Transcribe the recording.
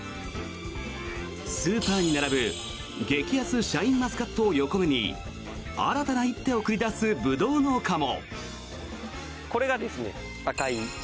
スーパーに並ぶ激安シャインマスカットを横目に新たな一手を繰り出すブドウ農家も。